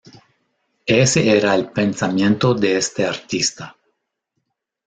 Ese era el pensamiento de este Artista.